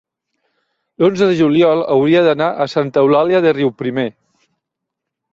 l'onze de juliol hauria d'anar a Santa Eulàlia de Riuprimer.